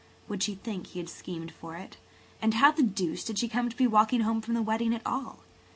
Would she think he had schemed for it? And how the deuce did she come to be walking home from the wedding at all?